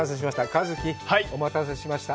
一希、お待たせしました。